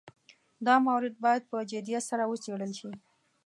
دا مورد باید په جدیت سره وڅېړل شي.